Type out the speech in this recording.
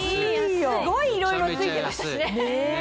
すごいいろいろ付いてましたしね。